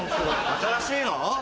新しいの？